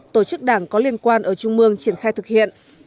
tổ chức đảng có liên quan ở trung mương triển khai thực hiện